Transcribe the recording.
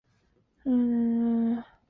本种之下又可分为三个亚种。